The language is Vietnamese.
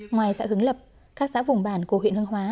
ngoài xã hưng lập các xã vùng bản của huyện hưng hóa